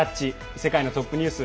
世界のトップニュース」。